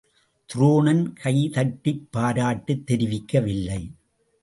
துரோணன் கைதட்டிப் பாராட்டுத் தெரிவிக்க வில்லை.